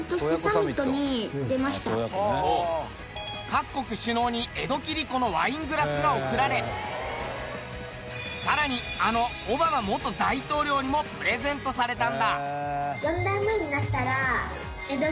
各国首脳に江戸切子のワイングラスが贈られ更にあのオバマ元大統領にもプレゼントされたんだ。